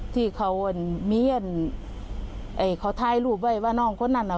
ที่เขามีอันเขาถ่ายรูปไว้ว่าน้องคนนั้นน่ะ